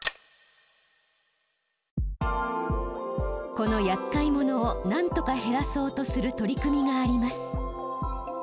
このやっかい者を何とか減らそうとする取り組みがあります。